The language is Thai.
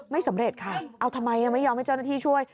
สำเร็จค่ะเอาทำไมยังไม่ยอมให้เจ้าหน้าที่ช่วย